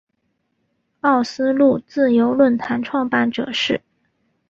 奥斯陆自由论坛创办者是。